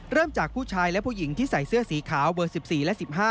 จากผู้ชายและผู้หญิงที่ใส่เสื้อสีขาวเบอร์๑๔และ๑๕